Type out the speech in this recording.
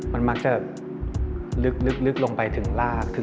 มันมักจะลึกลงไปถึงราก